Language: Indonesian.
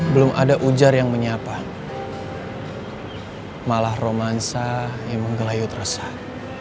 belum ada ujar yang menyapa malah romansa yang menggelayut resah